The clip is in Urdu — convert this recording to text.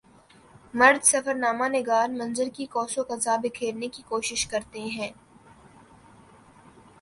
مرد سفر نامہ نگار منظر کی کی قوس و قزح بکھیرنے کی کوشش کرتے ہیں